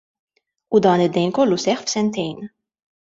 U dan id-dejn kollu seħħ f'sentejn.